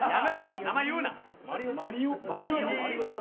名前言うな！